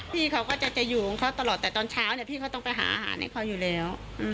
พี่เขาก็จะอยู่ของเขาตลอดแต่ตอนเช้าเนี่ยพี่เขาต้องไปหาอาหารให้เขาอยู่แล้ว